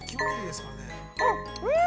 ◆うん！